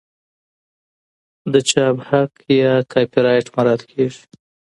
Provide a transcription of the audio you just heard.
د چاپ حق یا کاپي رایټ مراعات کیږي.